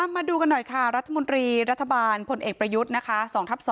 มาดูกันหน่อยค่ะรัฐมนตรีรัฐบาลพลเอกประยุทธ์นะคะ๒ทับ๒